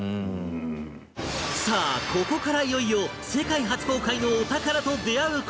さあここからいよいよ世界初公開のお宝と出会う事になる